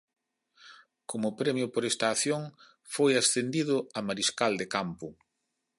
Como premio por esta acción foi ascendido a Mariscal de campo.